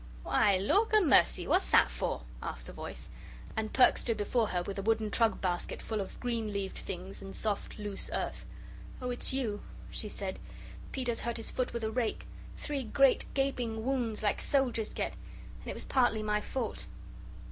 "Why, lawk a mercy, what's that for?" asked a voice, and Perks stood before her with a wooden trug basket full of green leaved things and soft, loose earth. "Oh, it's you," she said. "Peter's hurt his foot with a rake three great gaping wounds, like soldiers get. And it was partly my fault."